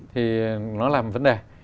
thì nó làm vấn đề